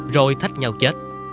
rồi thách nhau chết